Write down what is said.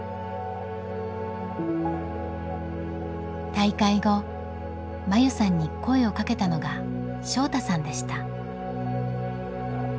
大会後真優さんに声をかけたのが翔大さんでした。